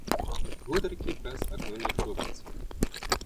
Гутаркі праз акно не чуваць.